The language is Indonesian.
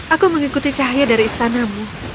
aku mengikuti cahaya dari istanamu